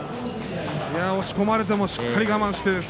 押し込まれてもしっかり我慢して。